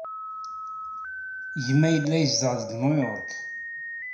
Gma yella yezdeɣ deg New York.